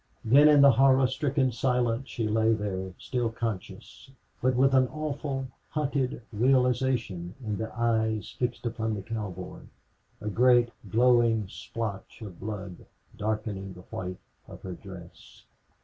Then in the horror stricken silence she lay there, still conscious, but with an awful hunted realization in the eyes fixed upon the cowboy, a great growing splotch of blood darkening the white of her dress.